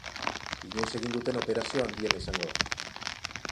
Inoiz egin duten operazio handiena izango da.